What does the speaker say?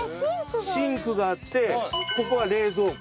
シンクがあってここは冷蔵庫。